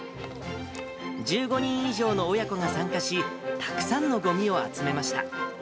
１５人以上の親子が参加し、たくさんのごみを集めました。